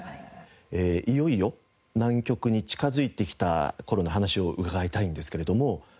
いよいよ南極に近づいてきた頃の話を伺いたいんですけれども。